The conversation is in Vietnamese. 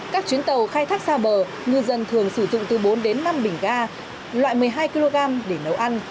các chuyến tàu khai thác xa bờ ngư dân thường sử dụng từ bốn đến năm bình ga loại một mươi hai kg để nấu ăn